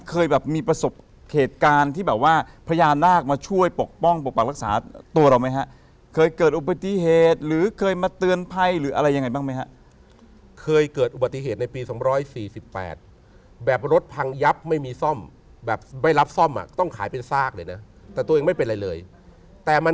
เคยแบบมีประสบเหตุการณ์ที่แบบว่า